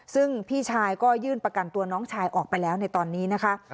ซึ่งพี่ชายก็ยื่นประกันตัวน้องชายออกไปแล้วในตอนนี้นะคะ